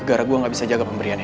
gara gue gak bisa jaga pemberiannya